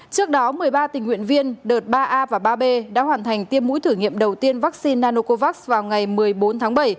trước đó một mươi ba tình nguyện viên đợt ba a và ba b đã hoàn thành tiêm mũi thử nghiệm đầu tiên vaccine nanocovax vào ngày một mươi bốn tháng bảy